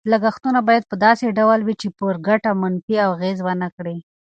لګښتونه باید په داسې ډول وي چې پر ګټه منفي اغېز ونه کړي.